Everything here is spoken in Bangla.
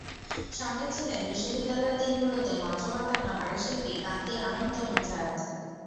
সঙ্গে ছিলেন বিশ্ববিদ্যালয়ের দিনগুলোতে মঞ্চ মাতানো আরেক শিল্পী কান্তি আনন্ত্য নুজহাত।